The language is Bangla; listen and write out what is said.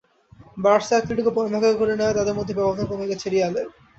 বার্সা-অ্যাটলেটিকো পয়েন্ট ভাগাভাগি করে নেওয়ায় তাদের সঙ্গে ব্যবধান কমে গেছে রিয়ালের।